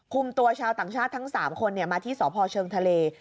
ตัวชาวต่างชาติทั้ง๓คนมาที่สพเชิงทะเล